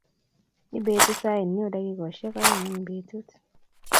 Ipeti sainyudakikoshek aeng eng petut